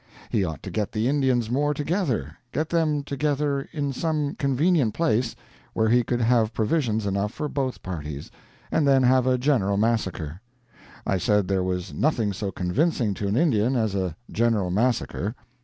He ought to get the Indians more together get them together in some convenient place, where he could have provisions enough for both parties, and then have a general massacre. I said there was nothing so convincing to an Indian as a general massacre.